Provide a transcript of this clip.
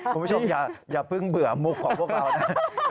คุณผู้ชมอย่าเพิ่งเบื่อมุกของพวกเรานะ